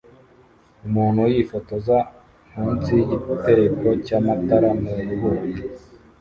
Umuntu yifotoza munsi yigitereko cyamatara mu rubura